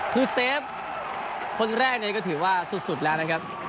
คือเซฟคนแรกเนี่ยก็ถือว่าสุดแล้วนะครับ